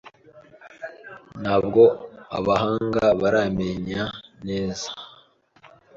Ntabwo abahanga baramenya neza